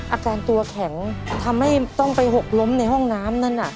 อาการตัวแข็งทำให้ต้องไปหกล้มในห้องน้ำนั่นน่ะ